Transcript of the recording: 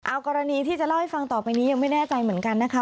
เอากรณีที่จะเล่าให้ฟังต่อไปนี้ยังไม่แน่ใจเหมือนกันนะคะ